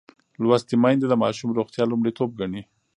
لوستې میندې د ماشوم روغتیا لومړیتوب ګڼي.